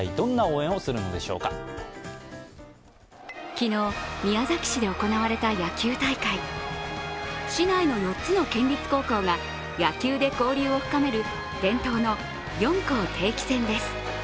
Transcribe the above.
昨日、宮崎市で行われた野球大会市内の４つの県立高校が野球で交流を深める伝統の四校定期戦です。